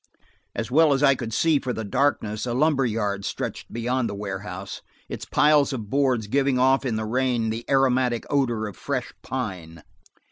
As well as I could see for the darkness, a lumber yard stretched beyond the warehouse, its piles of boards giving off in the rain the aromatic odor of fresh pine.